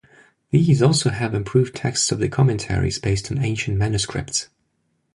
These also have improved texts of the commentaries based on ancient manuscripts.